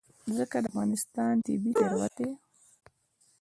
ځمکه د افغانستان طبعي ثروت دی.